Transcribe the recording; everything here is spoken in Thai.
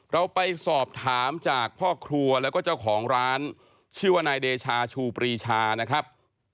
เราไปสอบถามจากพ่อครัวแล้วก็เจ้าของร้านชื่อว่านายเดชาชูปรีชานะครับ